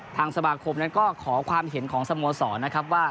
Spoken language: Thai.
ทางสมาคมนั้นก็ขอความเห็นของสโมสรนะครับว่า